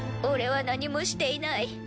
俺は何もしていない